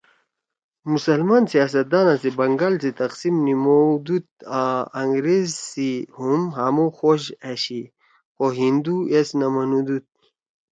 مسلمان سیاست دان بنگال سی تقسیم نیِمؤدُود آں انگریزا سی ہُم ہامُو خوش أشی خو ہندو ایس نہ منُودُود